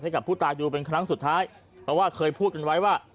กับผู้ตายดูเป็นครั้งสุดท้ายเพราะว่าเคยพูดกันไว้ว่า